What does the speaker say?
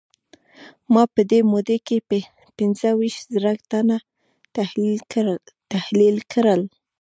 ما په دې موده کې پينځه ويشت زره تنه تحليل کړل.